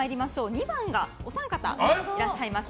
２番がお三方いらっしゃいます。